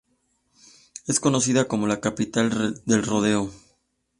Es conocida como "La Capital del rodeo".